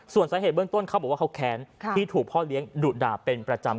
ส่วนสาเหตุเบื้องต้นเขาบอกว่าเขาแค้นที่ถูกพ่อเลี้ยงดุด่าเป็นประจำ